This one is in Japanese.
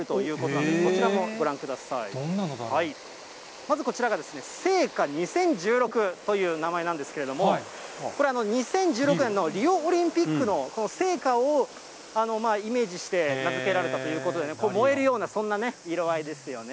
まずこちらが聖火２０１６という名前なんですけれども、これ、２０１６年のリオオリンピックの聖火をイメージして名付けられたということでね、これ、燃えるような、そんな色合いですよね。